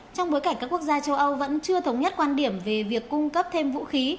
trong bối cảnh các quốc gia châu âu vẫn chưa thống nhất quan điểm về việc cung cấp thêm vũ khí